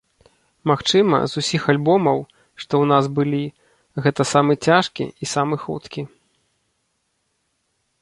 Магчыма, з усіх альбомаў, што ў нас былі, гэта самы цяжкі і самы хуткі.